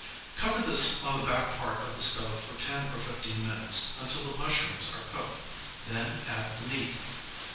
Cover this on the back part of the stove for ten or fifteen minutes until the mushrooms are cooked; then add the meat.